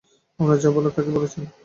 আপনার যা বলার তা কি বলেছেন?